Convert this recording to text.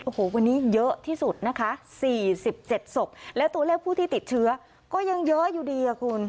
โอ้โหวันนี้เยอะที่สุดนะคะ๔๗ศพและตัวเลขผู้ที่ติดเชื้อก็ยังเยอะอยู่ดีอ่ะคุณ